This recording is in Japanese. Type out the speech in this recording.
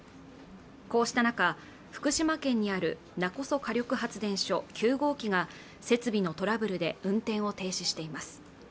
こうした中福島県にある勿来火力発電所９号機が設備のトラブルで運転を停止しています